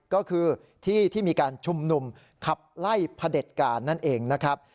ก็คือที่ที่มีการชุมนุมขับไล่พระเด็จการนั่นเองนะครับ